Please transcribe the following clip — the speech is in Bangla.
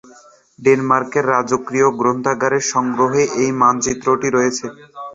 ডেনমার্কের রাজকীয় গ্রন্থাগারের সংগ্রহে এই মানচিত্রটি রয়েছে।